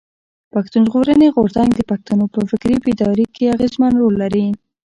پښتون ژغورني غورځنګ د پښتنو په فکري بيداري کښي اغېزمن رول لري.